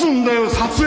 撮影！